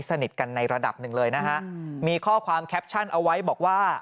สนิทกันในระดับหนึ่งเลยนะฮะมีข้อความแคปชั่นเอาไว้บอกว่า